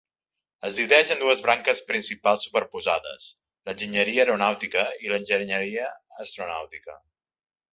Es divideix en dues branques principals superposades: l'enginyeria aeronàutica i l'enginyeria astronàutica.